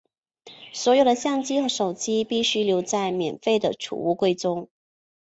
所有的相机和手机必须留在免费的储物柜中。